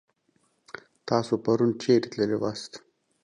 تاسو پرون چيرې تللي واست؟